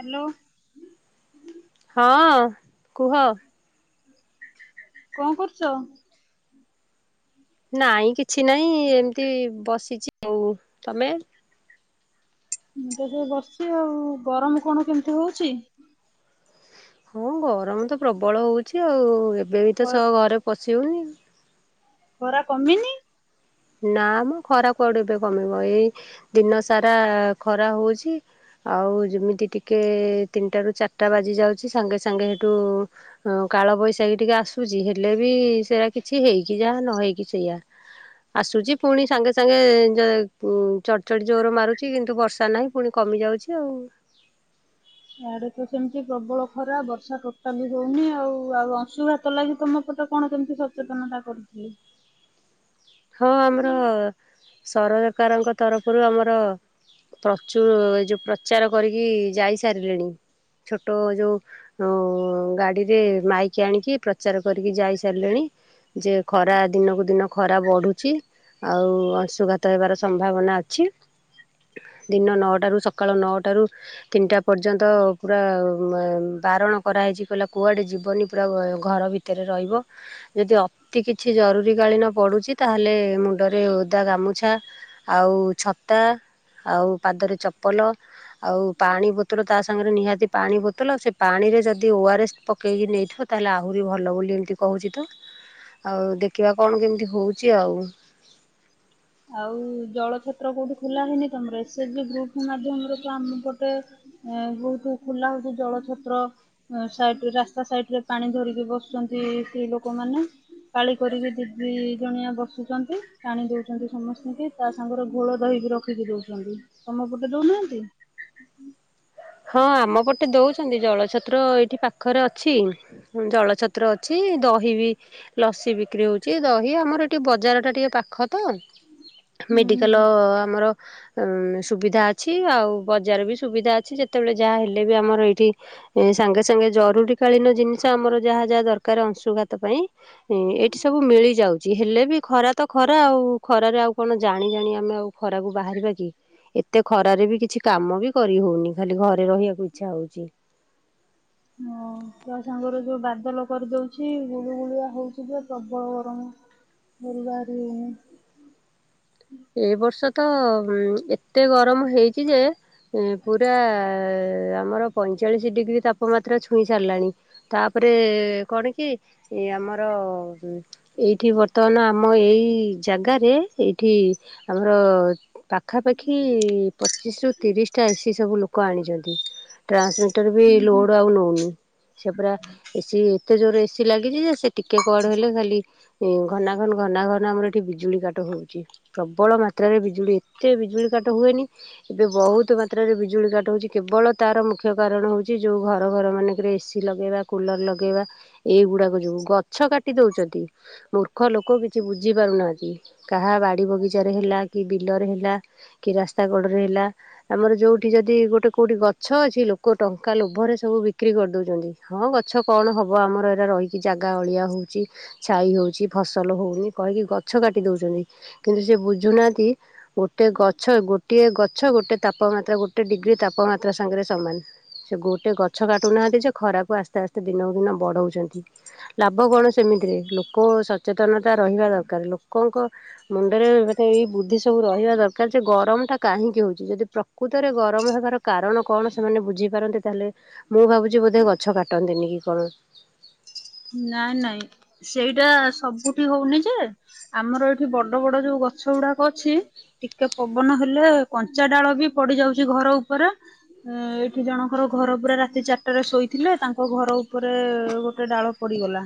Hello. ହଁ କୁହ। କଣ କରୁଛ? ନାଇଁ କିଛି ନାହିଁ ଏମିତି ବସିଛି ଆଉ ତମେ? ମୁଁ ବି ବସିଛି ଆଉ ଗରମ କଣ କେମିତି ହଉଛି? ହଁ ଗରମ ତ ପ୍ରବଳ ହଉଛି ଆଉ। ଏବେ ବି ଖ ତ ସହ ଘରେ ପ ସି ହୋଉନି ଖରା କମିନି? ନା ମୁଁ ଖରା କୁଆଡେ ଏବେ କମିବ ଏଇ ଦିନ ସାରା ଖରା ହଉଛି ଆଉ ଯେମିତି ଟିକେ ତିନିଟାରୁ ଚାରିଟା ବାଜି ଯାଉଛି ସାଙ୍ଗେ ସାଙ୍ଗେ ସେଠୁ କାଳ ବୈଶାଖୀ ଟିକେ ଆସୁଛି ହେଲେ ବି ସେଇଟା କିଛି ହେଇକି ଯାହା ନ ହେଇକି ସେଇଆ। ଆସୁଛି ପୁଣି ସାଙ୍ଗେ ସାଙ୍ଗେ ଚ଼ଡଚଡି଼ ଜୋରେ ମାରୁଛି କିନ୍ତୁ ବର୍ଷା ନାହିଁ ପୁଣି କମି ଯାଉଛି ଆଉ। ଇଆଡେ ତ ସେମତି ପ୍ରବଳ ଖରା ବର୍ଷା ଟୋଟାଲି ହଉନି ଆଉ ଆଉ ଅଶୁଂଘାତ ଲାଗି ତମ ପଟେ କଣ କେମିତି ସଚେତନତା କରୁଥିଲେ? ହଁ ଆମର ସରକାରଙ୍କ ତରଫରୁ ଆମର ପ୍ରଚାର ଏ ଯୋଉ ପ୍ରଚାର କରିକି ଯାଇସାରିଲେଣି ଛୋଟ ଯୋଉ ଗାଡି଼ରେ ମାଇକ ଆଣିକି ପ୍ରଚାର କରିକି ଯାଇସାରିଲେଣି ଯେ ଖରା ଦିନକୁ ଦିନ ଖରା ଖରା ବଢ଼ୁଛି ଆଉ ଅଂଶୁଘାତ ହେବାର ସମ୍ଭାବନା ଅଛି ଦିନ ନଅଟାରୁ ସକାଳ ନଅଟାରୁ ତିନିଟା ପର୍ଯ୍ୟନ୍ତ ପୁରା ବାରଣ କରାହୋଇଛି କହିଲା କୁଆଡ଼େ ଯିବନି ପୁରା ଘର ଭିତରେ ରହିବ ଯଦି ଅତି କିଛି ଜରୁରୀ କାଳୀନ ପଡ଼ୁଛି ତାହେଲେ ମୁଣ୍ଡରେ ଓଦା ଗାମୁଛା ଆଉ ଛତା ଆଉ ପାଦରେ ଚପଲ ଆଉ ପାଣି ବୋତଲ ତା ସାଙ୍ଗରେ ନିହାତି ପାଣି ବୋତଲ ସେ ପାଣିରେ ଯଦି ଓ ଆର୍ଏସ୍ ପକେଇକି ନେଇଥିବ ତାହେଲେ ଆହୁରି ଭଲ ବୋଲି ଏମିତି କହୁଛି ତ ଆଉ ଦେଖିବା କଣ କେମିତି? ହଉଛି ଆଉ। ଆଉ ଜଳ ଛତ୍ର କୋଉଠି ଖୋଲା ହେଇନି ତମର ଏସ ଏଚଜି ଗ୍ରୁପ ମାଧ୍ୟମରେ ତ ଆମ ପଟେ ବହୁତ ଖୋଲା ହଉଛି ଜଳ ଛତ୍ର ସାଇ ରାସ୍ତା ସାଇଡରେ ପାଣି ଧରିକି ବସୁଛନ୍ତି ସ୍ତ୍ରୀ ଲୋକମାନେ ପାଳି କରିକି ଦି ଦି ଜଣିଆ ବସୁଛନ୍ତି ପାଣି ଦଉ ସମସ୍ତେ କି ତା ସାଙ୍ଗର ଘୋଳ ଦହିକି ରଖିକି ଦଉଛନ୍ତି ତମ ପଟେ ଦଉନାହାନ୍ତି? ହଁ ଆମ ପଟେ ଦଉଛି। [inaudible] ଜଳ ଛତ୍ର ଏଇଠି ପାଖରେ ଅଛି ଜଳଛତ୍ର ଅଛି ଦହି ବି ଲସି ବିକ୍ରି ହଉଛି ଦହି ଆମର ଏଠି ବଜାରଟା ଟିକେ ପାଖ ତ ହୁଁ ହୁଁ। ମେଡିକାଲ ଆମର ଉଁ ସୁବିଧା ଅଛି ଆଉ ବଜାର ବି ସୁବିଧା ଅଛି ଯେ ଯେତେବେଳେ ଯାହା ହେଲେ ବି ଆମର ଏଇଠି ସାଙ୍ଗେସାଙ୍ଗେ ଜରୁରୀ କାଳୀନ ଜିନିଷ ଆମର ଯାହା ଯାହା ଦରକାର ଅଂଶୁଘାତ ପାଇଁ ଏଇଠି ସବୁ ମିଳିଯାଉଛି ହେଲେ ବି ଖରା ତ ଖରା ଆଉ ଖରାରେ ଆଉ କଣ ଜାଣି ଜାଣି ଆମେ ଆଉ ଖରାକୁ ବାହାରିବା କି, ଏତେ ଖରାରେ ବି କିଛି କାମ ବି କରି ହେଉନି। ଖାଲି ଘରେ ରହିବାକୁ ଇଚ୍ଛା ହଉଛି। ହଁ ତା ସାଙ୍ଗରେ ଯୋଉ ବାଦଲ କରିଦଉଛି ଗୁଳିୁଗୁଳିଆ ହଉଛି ଯେ ପ୍ରବଳ ଗରମ, ଘରୁ ବାହାରି ହଉନି। ଏଇ ବର୍ଷ ତ ଏତେ ଗରମ ହେଇଛି ଯେ ଇଁ ପୁରାଆ-ଆ-ଆ-ଆ ଆମର ପଇଁଚାଳିଶ ଡିଗ୍ରୀ ତାପମାତ୍ରା ଛୁଇଁ ସାରିଲାଣି। ତାପରେ କଣ କି ଏ ଆମର ଏଇଠି ବର୍ତ୍ତମାନ ଆମ ଏଇ ଜାଗାରେ ଏଇଠି ଆମର ପାଖାପାଖି ପଚିଶରୁ ତିରିଶଟା ଏସିି ସବୁ ଲୋକ ଆଣିଛନ୍ତି ଟ୍ରାନ୍ସମିଟର ବି ହୁଁ ହୁଁ। ଲୋଡ ଆଉ ନେଉନି ସେ ପୁରା ଏସିି ଏତେ ଜୋରରେ ଏସି ଲାଗିଛି ଯେ ସେ ଟିକେ କୁଆଡୁ ହେଲେ ଖାଲି ଉଁ ଘନା ଘନ୍ ଘନା ଘନ୍ ଆମର ଏଠି ବିଜୁଳି କାଟ ହଉଛି। ପ୍ରବଳ ମାତ୍ରାରେ ବିଜୁଳି ଏତେ ବିଜୁଳି କାଟ ହୁଏନି, ଏବେ ବହୁତ ମାତ୍ରାରେ ବିଜୁଳି କାଟ ହେଉଛି କେବଳ ତାର ମୁଖ୍ୟ କାରଣ ହେଉଛି ଯେଉ ଘର ଘର ମାନଙ୍କରେ ଏସି ଲଗେଇବା କୁଲର ଲଗେଇବା ଏଇଗୁଡ଼ାକ ଯୋଗୁଁ ଗଛ କାଟି ଦେଉଛନ୍ତି ମୂର୍ଖ ଲୋକ କିଛି ବୁଝିପାରୁନାହାନ୍ତି କାହା ବା ଡି ବଗିଚାରେ ହେଲା କି ବିଲରେ ହେଲ୍ ହେଲା କି ରାସ୍ତା କଡରେ ହେଲା ଆମର ଯୋଉଠି ଯଦି ଗୋଟେ କୋଉଠି ଗଛ ଅଛି ଲୋକ ଟଙ୍କା ଲୋଭରେ ସବୁ ବିକ୍ରି କରିଦଉଛନ୍ତି ହଁ ଗଛ କଣ ହବ ଆମର ଏରା ରହିକି ଜାଗା ଅଳିଆ ହଉଛି ଛାଇ ହଉଛି ଫସଲ ହଉନି କହିକି ଗଛ କାଟି ଦଉଛନ୍ତି‌ କିନ୍ତୁ ସେ ବୁଝୁନାହାନ୍ତି ଗୋଟେ ଗଛ ଗୋଟିଏ ଗଛ ଗୋଟେ ତାପମାତ୍ରା ଗୋଟେ ଡିଗ୍ରୀ ତାପମାତ୍ରା ସାଙ୍ଗରେ ସମାନ ସେ ଗୋଟେ ଗଛ କାଟୁନାହାନ୍ତି ଯେ ଖରାକୁ ଆସ୍ତେ ଆସ୍ତେ ଦିନକୁ ଦିନ ବଢ଼ଉଛନ୍ତି, ଲାଭ କଣ ସେମିତିରେ ଲୋକ ସଚେତନତା ରହିବା ଦରକାର ଲୋକଙ୍କ ମୁଣ୍ଡରେ ମାନେ ଏଇ ବୁଦ୍ଧି ସବୁ ରହିବା ଦରକାର ଯେ ଗରମଟା କାହିଁକି ହଉଛି, ଯଦି ପ୍ରକୃତରେ ଗରମ ହେବାର କାରଣ କଣ ସେମାନେ ବୁଝିପାରନ୍ତି ତାହେଲେ ମୁଁ ଭାବୁଛି ବୋଧେ ଗଛ କାଟନ୍ତେନି କି କଣ। ନାଇଁ ନାଇଁ, ସେଇଟା ସବୁଠି ହଉନି ଯେ ଆମର ଏଇଠି ବଡ ବଡ ଯୋଉ ଗଛଗୁଡାକ ଅଛି ଟିକେ ପବନ ହେଲେ କଞ୍ଚା ଡାଳ ବି ପଡି ଯାଉଛି ଘର ଉପରେ ଏଇଠି ଜଣଙ୍କର ଘର ପୁରା ରାତି ଚାରିଟାରେ ଶୋଇଥିଲେ ତାଙ୍କ ଘର ଉପରେ ଗୋଟେ ଡାଳ ପଡିଗଲା,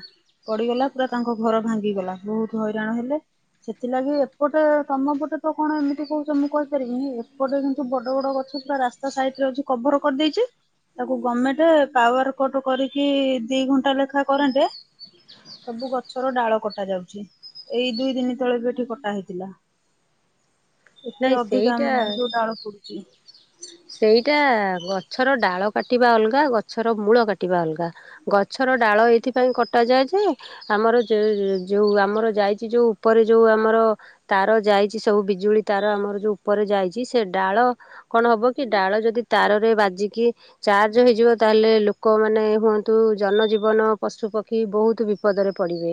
ପଡିଗଲା ପୁରା ତାଙ୍କ ଘର ଭାଙ୍ଗିଗଲା ବହୁତ ହଇରାଣ ହେଲେ ସେଥିଲାଗି ଏପଟେ ତମ ପଟେ ତ କଣ ଏମିତି କହୁଛ ମୁଁ କହିପାରିବିନି ଏପଟେ କିନ୍ତୁ ବଡ ବଡ ଗଛ ପୁରା ରାସ୍ତା ସାଇଟରେ ଅଛି କଭର କରିଦେଇଛି ତାକୁ ଗମେଣ୍ଟ ପାୱାର କଟ କରିକି ଦି ଘଣ୍ଟା ଲେଖା କରେଣ୍ଟ, ସବୁ ଗଛର ଡାଳ କଟା ଯାଉଛି ଏଇ ଦୁଇ ଦିନି ତଳେ ବି ଏଠି କଟା ହେଇଥିଲା। ଏତେ ନାଇଁ ଅଧିକା ଆମ ସେଇଟା [inaudible] ଯୋଉ ଡାଳ ପୋଡି [inaudible] ସେଇଟା ଗଛର ଡାଳ କାଟିବା ଅଲଗା ଗଛର ମୂଳ କାଟିବା ଅଲଗା ଗଛର ଡାଳ ଏଇଥିପାଇଁ କଟାଯାଏ ଯେ ଆମର ଯ ଯୋଉ ଆମର ଯାଇଛି ଯୋଉ ଉପରେ ଯୋଉ ଆମର ତାର ଯାଇଛି ସବୁ ବିଜୁଳି ତାର ଆମର ଯୋଉ ଉପରେ ଯାଇଛି ସେ ଡାଳ କଣ ହବ କି ଡାଳ ଯଦି ତାରରେ ବାଜିକି ଚାର୍ଜ ହୋଇଯିବ ତା ହେଲେ ଲୋକମାନେ ହୁଅନ୍ତୁ ଜନଜୀବନ ପଶୁପକ୍ଷୀ ବହୁତ୍ ବିପଦରେ ପଡ଼ିବେ।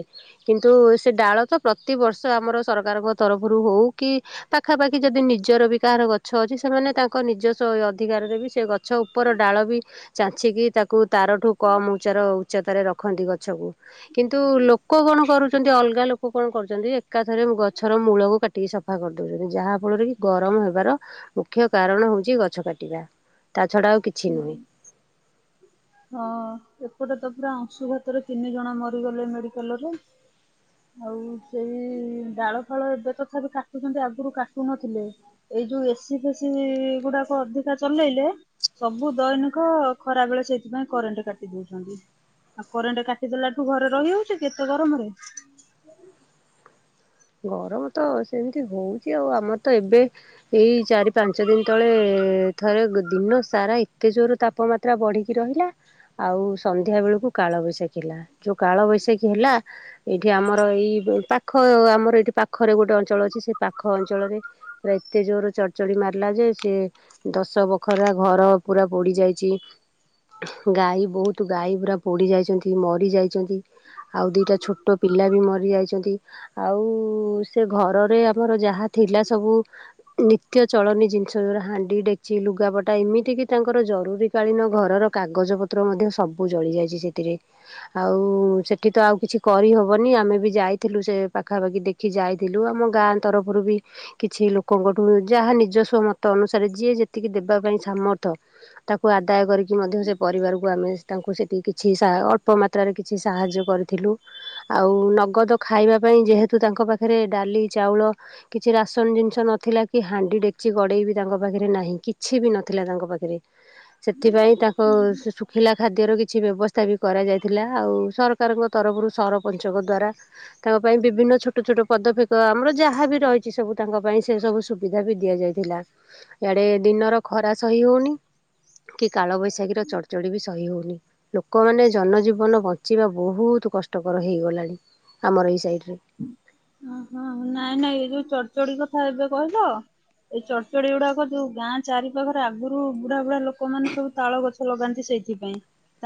କିନ୍ତୁ ସେ ଡାଳ ତ ପ୍ରତିବର୍ଷ [inaudible] ଆମର ସରକାରଙ୍କ ତରଫରୁ ହଉ କି ପାଖାପାଖି ଯଦି ନିଜର ବି କାହାର ଗଛ ଅଛି ସେମାନେ ତାଙ୍କ ନିଜ [inaudible] ଅଧିକାରରେ ବି ସେ ଗଛ ଉପର ଡାଳ ବି ଚାଞ୍ଛିକି ତାକୁ ତାରଠୁ କମ ଉଚାର ଉଚ୍ଚତାରେ ରଖନ୍ତି ଗଛକୁ କିନ୍ତୁ ଲୋକ କଣ କରୁଛନ୍ତି ଅଲଗା ଲୋକ କଣ କରୁଛନ୍ତି ଏକାଥରେ ଗଛର ମୂଳକୁ କାଟିକି ସଫା କରିଦଉଛନ୍ତି ଯାହା ଫଳରେ କି ଗରମ ହେବାର ମୁଖ୍ୟ କାରଣ ହଉଛି ଗଚ୍ ଗଛ କାଟିବା। ହୁଁ, ହଁ ଏପଟେ ତ ପୁରା ଅଂଶୁଘାତରେ ତିନି ଜଣ ମରିଗଲେ ମେଡିକାଲରେ ଆଉ ସେଇ ଡାଳଫାଳ ଏବେ ତଥାପି କାଟୁଛନ୍ତି ଆଗରୁ କାଟୁ ନଥିଲେ ଏଇ ଯଉ ଏସିଫେସି ଗୁଡାକ ଅଧିକା ଚଲେଇଲେ ସବୁ ଦୈନିକ ଖରା ବେଳେ ସେଇଥିପାଇଁ କରେଣ୍ଟ କାଟି ଦଉଛନ୍ତି, ଆଉ କରେଣ୍ଟ କାଟିଦେଲାଠୁ ଘରେ ରହିହଉଛି କି ଏତେ ଗରମରେ? ଗରମ ତ ସେମିତି ହଉଛି ଆଉ ଆମର ତ ଏବେ ଏଇ ଚାରି ପାଞ୍ଚ ଦିନ ତଳେ ଥରେ ଦିନ ସାରା ଏତେ ଜୋର ତାପମାତ୍ରା ବଢିକି ରହିଲା ଆଉ ସନ୍ଧ୍ୟା ବେଳକୁ କାଳବୈଶାଖୀ ହେଲା ଯୋଉ କାଳ ବୈଶାଖୀ ହେଲା ଏଇଠି ଆମର ଏଇ ପାଖ ଆମର ଏଇଠି ପାଖରେ ଗୋଟେ ଅଞ୍ଚଳ ଅଛି ସେ ପାଖ ଅଞ୍ଚଳରେ ପୁରା ଏତେ ଜୋର ଚଡଚଡ଼ି ମାରିଲା ଯେ ସେ ଦଶ ବଖରା ଘର ପୁରା ପୋଡି ଯାଇଛି। ଗାଈ ବହୁତ ଗାଈ ପୁରା ପୋଡ଼ି ଯାଇଛନ୍ତି ମରି ଯାଇଛନ୍ତି ଆଉ ଦିଇଟା ଛୋଟ ପିଲା ବି ମରି ଯାଇଛନ୍ତି ଆଉ ଉ ସେ ଘରରେ ଆମର ଯାହା ଥିଲା ସବୁ ନିତ୍ୟ ଚଳନୀ ଜିନିଷ ଯୋଉଗୁରା ହାଣ୍ଡି ଡେକଚି ଲୁଗାପଟା ଏମିତି କିି ତାଙ୍କର ଜରୁରୀ କାଳୀନ ଘରର କାଗଜ ପତ୍ର ମଧ୍ୟ ସବୁ ଜଳି ଯାଇଛି ସେଥିରେ, ଆଉ ସେଠି ତ ଆଉ କିଛି କରିହବନି ଆମେ ବି ଯାଇଥିଲୁ ସେ ପାଖାପାଖି ଦେଖ୍ ଯାଇଥିଲୁ ଆମ ଗାଁ ତରଫରୁ ବି କିଛି ଲୋକଙ୍କଠୁ ଯାହା ନିଜସ୍ଵ ମ [inaudible] ଅନୁସାରେ ଯିଏ ଯେତିକି ଦେବା ପାଇଁ ସାମର୍ଥ ତାକୁ ଆଦାୟ କରିକି ମଧ୍ୟ ସେ ପରିବାରକୁ ଆମେ ତାଙ୍କୁ ସେଠି କିଛି ଅଳ୍ପ ମାତ୍ରାରେ କିଛି ସାହାଯ୍ୟ କରିଥିଲୁ, ଆଉ ନଗଦ ଖାଇବା ପାଇଁ ଯେହେତୁ ତା ତାଙ୍କ ପାଖରେ ଡାଲି ଚାଉଳ କିଛି ରାସନ ଜିନିଷ ନଥିଲା କି ହାଣ୍ଡି ଡେକଚି ଗଡେଇ ବି ତାଙ୍କ ପାଖରେ ନାହିଁ କିଛି ବି ନଥିଲା ତାଙ୍କ ପାଖରେ, ସେଥିପାଇଁ ତାଙ୍କ ଶୁଖିଲା ଖାଦ୍ୟର କିଛି ବ୍ୟବସ୍ଥା ବି କରାଯାଇଥିଲା ଆଉ ସରକାରଙ୍କ ତରଫରୁ ସରପଞ୍ଚଙ୍କ ଦ୍ଵାରା ତାଙ୍କ ପାଇଁ ବିଭିନ୍ନ ଛ ଛଟ। [unintelligible] ପଦପେପ ଆମର ଯାହା ବିି ରହିଛି ସବୁ ତାଙ୍କ ପାଇଁ ସେ ସବୁ ସୁବିଧା ବି ଦିଆଯାଇଥିଲା ଆଡେ ଦିନର ଖରା ସହି ହଉନି କି କାଳ ବୈଶାଖୀ ର ଚଡଚଡି ବି ସହି ହଉନି ଲୋକମାନେ ଜନଜୀବନ ବଞ୍ଚିବା ବହୁତ କଷ୍ଟକର ହେଇଗଲାଣି। ଆମର ଏଇ ସାଇଡ ରେ । ଓ ହୋ ନାଇଁ ନାଇଁ ଏ ଯୋଉ ଚଡ଼ଚଡି କଥା ଏବେ କହିଲ ଏଇ ଚଡଚଡି ଗୁଡାକ ଯୋଉ ଗାଁ ଚାରି ପାାଖରେ ଆଗରୁ ବୁଢା ବୁଢା ଲୋକମାନେ ସବୁ ତାଳ ଗଛ ଲଗାନ୍ତି ସେଇଥିପାଇଁ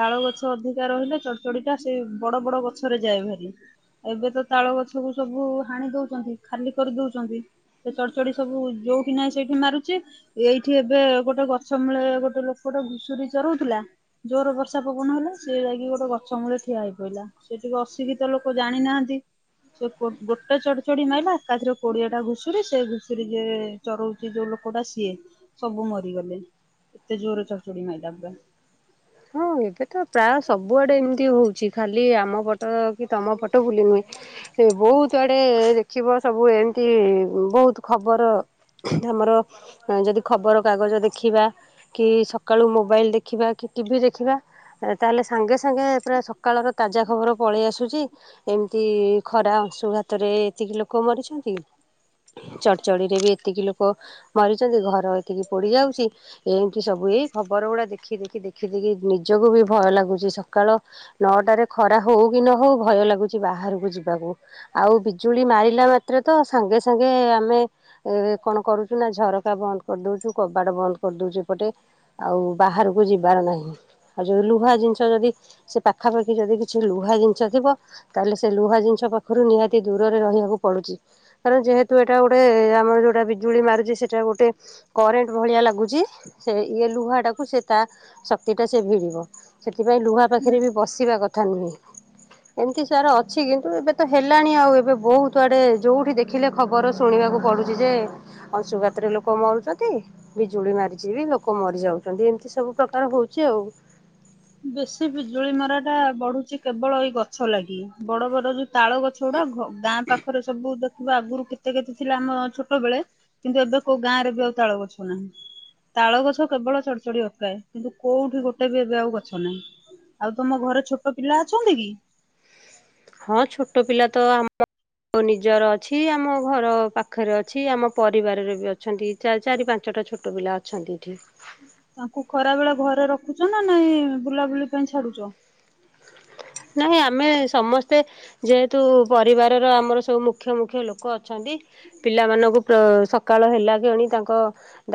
ତାଳ ଗଛ ଅଧିକା ରହିଲେ ଚଡଚଡି ଟା ସେଇ ବଡ ବଡ ଗଛରେ ଯାଏ ହେରି । ଏବେ ତ ତାଳ ଗଛକୁ ସବୁ ହାଣି ଦଉଛନ୍ତି ଖାଲି କରିଦଉଛନ୍ତି ସେ ଚଡଚଡ ସବୁ ଯୋଉଠି ନାହିଁ ସେଇଠି ମାରୁଛି ଏଇଠି ଏବେ ଗୋଟେ ଗଛ ମୂଳେ ଗୋଟେ ଲୋକ ଗୋଟେ ଘୁଷୁର ଚରଉଥିଲା ଜୋର ବର୍ଷା ପବନ ହେଲା ସେ ଯାଇକି ଗୋଟେ ଗଛ ମୂଳେ ଠିଆ ହୋଇ ପଡିଲା ସେଠିକି ଅଶିକ୍ଷିତ ଲୋକ ଜାଣିନାହାନ୍ତି, ସେ ଗୋଟେ ଚଡଚଡି ମାଇଲା ଏକାଥରେ କୋଡିଆ ଟା ଘୁଷୁର ସେ ଘୁଷୁର ଯେ ଚରଉଛି ଯୋଉ ଲୋକ ଟା ସିଏ ସବୁ ମରିଗଲେ ଏତେ ଜୋର ଚଡଚଡି ମାଇଲା ପୁରା। ହଁ ଅଛି ଖାଲି ଆମ ଫଟୋ କି ତୁମ ଫଟୋ ଭୁଲି ନୁହେଁ ସେ ବହୁତ ଆଡ଼େ ଦେଖିବ ସବୁ ଏମିତି ବହୁତ ଖବର ଆମର ଯଦି ଖବରକାଗଜ ଦେଖିବା, କି ସକାଳୁ ମୋବାଇଲ୍ ଦେଖିବା କି ଟିଭି ଦେଖିବା, ତାହେଲେ ସାଙ୍ଗେ ସାଙ୍ଗେ ପୁରା ସକାଳର ତାଜା ଖବର ପଳେଇ ଆସୁଛି ଏମିତି ଖରା ଅଂଶୁଘାତରେ ଏତିକି ଲୋକ ମରିଛନ୍ତି, ଚଡ଼ଚଡିରେ ବି ଏତିକି ଲୋକ ମରିଛନ୍ତି, ଘର ଏତିକି ପୋଡି ଯାଉଛି, ଏମିତି ସବୁ ଏଇ ଖବର ଗୁଡା ଦେଖି ଦେଖି ଦେଖି ଦେଖି ଦେଖି ନିଜକୁ ବି ଭୟ ଲାଗୁଛି ସକାଳ ନଅଟାରେ ଖରା ହଉ କି ନ ହଉ ଭୟ ଲାଗୁଛି ବାହାରକୁ ଯିବାକୁ। ଆଉ ବିଜୁଳି ମାରିଲା ମାତ୍ରେ ତ ସାଙ୍ଗେ ସାଙ୍ଗେ ଆମେ ଏ କଣ କରୁଛୁ ନା ଝରକା ବନ୍ଦ କରିଦଉଛୁ କବାଡ ବନ୍ଦ କରିଦଉଛି ଏପଟେ ଆଉ ବାହାର ପୁଝିବ। [unintelligible] ଞ୍ଚି ବାର ନାହିଁ ଆଉ ଯି ଲୁହା ଜିନିଷ ଯଦି ସେ ପାଖାପାଖି ଯଦି କିଛି ଲୁହା ଜିନିଷ ଥିବ ତାହେଲେ ସେ ଲୁହା ଜିନିଷ ପାଖରୁ ନିହାତି ଦୂରରେ ରହିବାକୁ ପଡୁଛି । କାରଣ ଯେହେତୁ ଏଇଟା ଗୋଟେ ଆମର ଯେଉଁଟା ବିଜୁଳି ମାରୁଛି ସେଇଟା ଗୋଟେ କରେଣ୍ଟ ଭଳିଆ ଲାଗୁଛି ସେ ଇଏ ଲୁହାଟାକୁ ସେ ତା ଶକ୍ତି ଟା ସେ ଭିଡିବ ସେଥିପାଇଁ ଲୁହା ପାଖରେ ବି ବସିବା କଥା ନୁହେଁ । ଏମତି ସାର ଅଛି କିନ୍ତୁ ଏବେ ତ ହେଲାଣି ଆଉ ଏବେ ବହୁତ ଆଡେ ଯୋଉଠି ଦେଖିଲେ ଖବର ଶୁଣିବାକୁ ପଡୁଛି ଯେ ଅଂଶୁଘାତରେ ଲୋକ ମରୁଛନ୍ତି ବିଜୁଳି ମାରିଛି ବି ଲୋକ ମରିଯାଉଛନ୍ତି ଏମିତି ସବୁ ହଉଚି ଆଉ। ବେଶୀ ବିଜୁଳି ମରା ଟା ବଢୁଛି କେବଳ ଏଇ ଗଛ ଲାଗି ବଡ ବଡ ଯୋଉ ତାଳ ଗଛ ଗୁଡା ଗାଁ ପାଖରେ ସବୁ ଦ ଥିବା ଆଗରୁ କେତେ କେତେ ଥିଲା ଆମ ଛୋଟ ବେଳେ କିନ୍ତୁ ଏବେ କୋଉ ଗାଁ ରେ ବି ଆଉ ତାଳ ଗଛ ନାହିଁ ତାଳ ଗଛ କେବଳ ଚଡ ଚଡ ଅଟକାଏ କିନ୍ତୁ କୋଉଠି ଗୋଟେ ବି ଏବେ ଆଉ ଗଛ ନାହିଁ ଆଉ ତମ ଘରେ ଛୋଟ ପିଲା ଅଛନ୍ତି କି? ହଁ ଛୋଟ ପିଲା ତ ଆମ ନିଜର ଅଛି, ଆମ ଘର ପାଖରେ ଅଛି, ଆମ ପରିବାରରେ ବି ଅଛନ୍ତି, ଚାରି ପାଞ୍ଚଟା ଛୋଟ ପିଲା ଅଛନ୍ତି ଏଠି। ତାଙ୍କୁ ଖରା ବେଳେ ଘରେ ରଖୁଛ ନା ନାଇଁ ବୁଲାବୁଲି ପାଇଁ ଛାଡୁଛ। ନାଇଁ ଆମେ ସମସ୍ତେ ଯେହେତୁ ପରିବାରର ଆମର ସବୁ ମୁଖ୍ୟ ମୁଖ୍ୟ ଲୋକ ଅ ଅଛନ୍ତି ପିଲାମାନଙ୍କୁ ସକାଳ ହେଲା କିଣି ତାଙ୍କ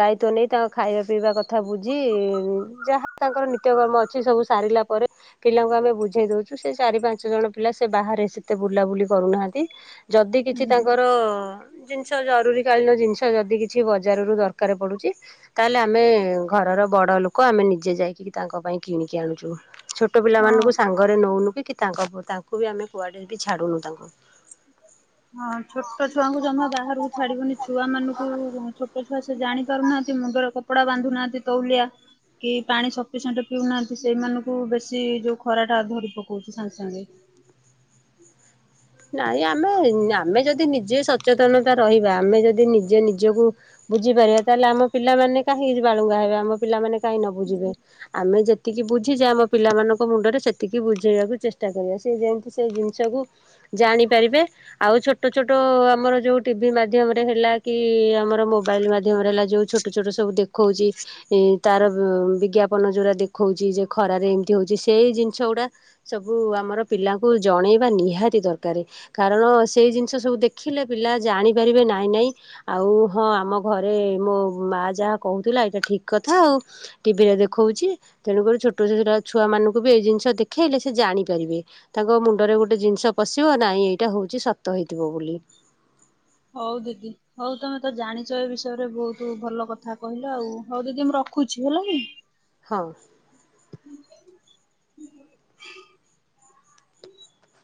ଦାୟିତ୍ୱ ନେଇ ତାଙ୍କ ଖାଇବା ପିଇବା କଥା ବୁଝି ଯାହା ତାଙ୍କର ନି ନିତ୍ୟ କର୍ମ ଅଛି ସବୁ ସାରିଲା ପରେ ପିଲାଙ୍କୁ ଆମେ ବୁଝେଇ ଦଉ ଛୁ। ସେ ଚାରି ପାଞ୍ଚ ଜଣ ପିଲା ସେ ବାହାରେ ସେତେ ବୁଲାବୁଲି କରୁନାହାନ୍ତି ଯଦି କିଛି ହୁଁ ହୁଁ ତାଙ୍କର ଜିନିଷ ଜରୁରୀ କାଳୀନ ଜିନିଷ ଯଦି କିଛି ବଜାରରୁ ଦରକାର ପଡୁଛି ତାହେଲେ ଆମେ ଘରର ବଡ ଲୋକ ଆମେ ନିଜେ ଯାଇକି ତାଙ୍କ ପାଇଁ କିଣିକି ଆଣୁ । ଯୁ ଛୋଟ ହଁ। ପିଲାମାନଙ୍କୁ ସାଙ୍ଗ ହଉନୁ କି କି ତାଙ୍କ ତାଙ୍କୁ ବି ଆମେ କୁଆଡେ ବି ଛାଡୁନୁ ତାଙ୍କୁ । ହଁ ଛୋଟ ଛୁଆଙ୍କୁ ଜମା ବାହାରକୁ ଛାଡିବନି ଛୁଆ ମାନଙ୍କୁଉ ଛୋଟ ଛୁଆ ଜାଣି ପାରୁନାହାନ୍ତି ମୁଗର କ କପଡା ବାନ୍ଧୁନାହାନ୍ତି ତଉଲିଆ କି ପାଣି ସଫିସିଏଣ୍ଟ ପିଉନାହାନ୍ତି। ସେଇମାନଙ୍କୁ ବେଶୀ ଯୋଉ ଖରା ଟା ଧରି ପକଉଚି ସାଙ୍ଗେ ସାଙ୍ଗେ। ନାଇଁ ଆମେ [unintelligible] ଆମେ ଯଦି ସେ ନିଜେ ସଚେତନତା ରହିବା। ଆମେ ଯଦି ନିଜେ ନିଜକୁ ବୁଝିପାରିବା ତାହେଲେ ଆମ ପିଲାମାନେ କାହିଁକି ବାଳୁଙ୍ଗା ହେବେ। ଆମ ପିଲାମାନେ କାହିଁକି ନ ବୁଝିବେ ଆମେ ଯେ ସେତିକି ବୁଝିଛି ଆମ ପିଲାମାନଙ୍କ ମୁଣ୍ଡରେ ସେତିକି ବୁଝେଇବାକୁ ଚେଷ୍ଟା କରିବା ସେ ଯେମିତି ସେ ଜିନିଷକୁ ଜାଣିପାରିବେ ଆଉ ଛୋଟ ଛୋଟ ଆମର ଯୋଉ ଟିଭି ମାଧ୍ୟମରେ ହେଲା କି ଆମର ମୋବାଇଲ ମାଧ୍ୟମରେ ହେଲା ଯୋ ଛୋଟ ଛୋଟ ସବୁ ଦେଖଉଛି ତାର ବିଜ୍ଞାପନ ଯୋରା ଦେଖଉଛି ଯେ ଖରାରେ ଏମିତି ହଉଛି ସେଇ ଜିନିଷ ଗୁଡା ସବୁ ଆମର ପିଲାଙ୍କୁ ଜଣେଇବା ନିହାତି ଦରକାର। କାରେ କାରଣ ସେଇ ଜିନିଷ ସବୁ ଦେଖିଲେ ପିଲା ଜାଣିପାରିବେ। ନାଇ ନାଇ ଆଉ ହଁ ଆମ ଘରେ ମୋ ମାଆ ଯାହା କହୁଥିଲା ଏଇଟା ଠିକ୍ କଥା ଆ ଉ ଟିଭିରେ ଦେଖଉଛି। ତେଣୁକରି ଛୋଟ ଛୋଟ ଛୁଆମାନଙ୍କୁ ବି ଏଇ ଜିନିଷ ଦେଖେଇଲେ। ସେ ଜାଣିପାରିବେ ତାଙ୍କ ମୁଣ୍ଡରେ ଗୋଟେ ଜିନିଷ ପଶିବ ନାଇ ଏଇଟା ହଉଛି ସତ ହେଇ ହଉ ଦିଦି। ହଉ ତମେ ତ ଜାଣିଛ ଏ ବିଷୟରେ ବହୁତ ଭଲ କଥା କହିଲ ହଉ ଦିଦି ମୁଁ ରଖୁଛି ହେଲା କି। ହଁ।